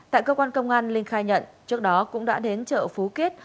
tại cơ quan công an linh khai nhận trước đó cũng đã đến trợ phú kiết